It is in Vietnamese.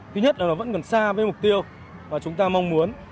thứ nhất là nó vẫn còn xa với mục tiêu và chúng ta mong muốn